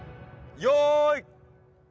よい。